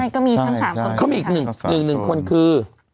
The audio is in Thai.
ใช่อีกหนึ่งหนึ่งคนคือ